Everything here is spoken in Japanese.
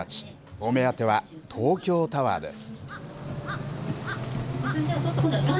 お目当ては東京タワーです。